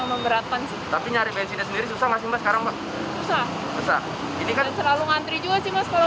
memberatkan tapi nyari bensinnya sendiri susah masih sekarang pak selalu antri juga sih kalau